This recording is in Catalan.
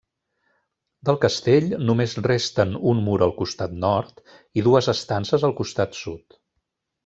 Del castell, només resten un mur al costat nord i dues estances al costat sud.